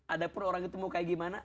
ada pun orang itu mau kayak gimana